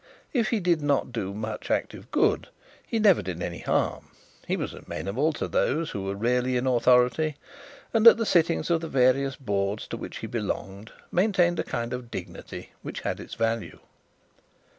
If he did not do much active good, he never did any harm; he was amenable to those who were really in authority, and at the sittings of the various boards to which he belonged maintained a kind of dignity which had its value.